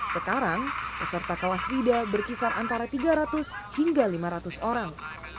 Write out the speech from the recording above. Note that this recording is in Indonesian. sekarang peserta kawas rida berkisar antara tiga ratus hingga lima ratus orang